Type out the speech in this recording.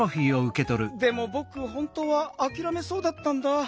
でもぼく本とうはあきらめそうだったんだ。